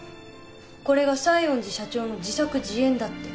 これが西園寺社長の自作自演だって。